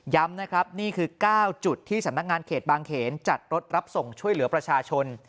นะครับนี่คือ๙จุดที่สำนักงานเขตบางเขนจัดรถรับส่งช่วยเหลือประชาชน